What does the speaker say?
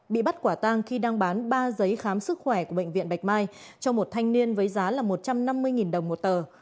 bị bắt quả tang khi đang bán ba giấy khám sức khỏe của bệnh viện bạch mai cho một thanh niên với giá là một trăm năm mươi đồng một tờ